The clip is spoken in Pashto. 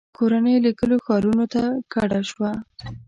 • کورنۍ له کلیو ښارونو ته کډه شوه.